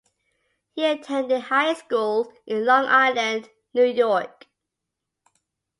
He attended high school in Long Island, New York.